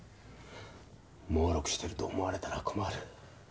もうろくしてると思われたら困る。